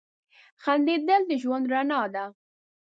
• خندېدل د ژوند رڼا ده.